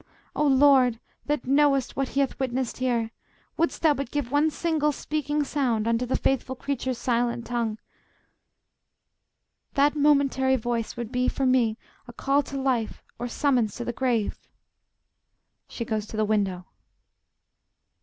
O Lord, that know'st what he hath witnessed there! Wouldst thou but give one single speaking sound Unto the faithful creature's silent tongue, That momentary voice would be, for me, A call to life or summons to the grave. [She goes to the window.